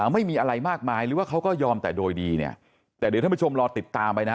ไม่มีอะไรมากมายหรือว่าเขาก็ยอมแต่โดยดีเนี่ยแต่เดี๋ยวท่านผู้ชมรอติดตามไปนะ